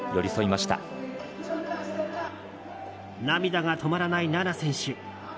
涙が止まらない菜那選手。